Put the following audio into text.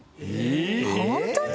ホントに？